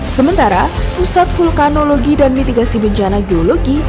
sementara pusat vulkanologi dan mitigasi bencana geologi